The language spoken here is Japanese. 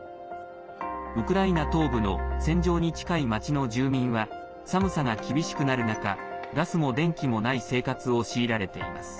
ウクライナ東部の戦場に近い町の住民は寒さが厳しくなる中ガスも電気もない生活を強いられています。